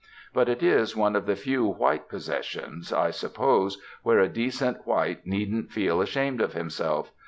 But it is one of the few white 'possessions,' I suppose, where a decent white needn't feel ashamed of himself.